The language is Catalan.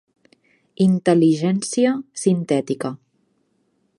Intel·ligència Sintètica.